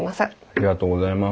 ありがとうございます。